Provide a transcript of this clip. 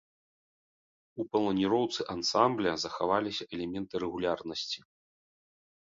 У планіроўцы ансамбля захаваліся элементы рэгулярнасці.